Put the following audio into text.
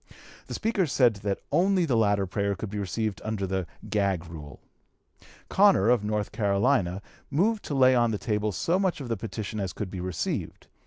The Speaker said that only the latter prayer could be received under the "gag" rule. Connor, of North Carolina, (p. 261) moved to lay on the table so much of the petition as could be received.